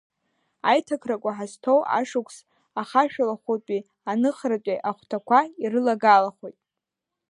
Аиҭакрақәа ҳазҭоу ашықәс ахашәалахәытәи аныхратәи ахәҭақәа ирылагалахоит.